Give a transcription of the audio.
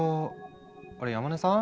あれ山根さん？